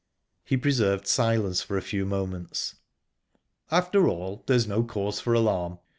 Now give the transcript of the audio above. He preserved silence for a few moments. "After all, there is no cause for alarm.